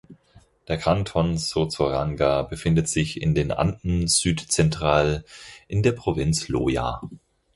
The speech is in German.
Der Kanton Sozoranga befindet sich in den Anden südzentral in der Provinz Loja.